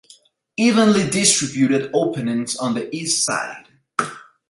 Evenly distributed openings on the east side.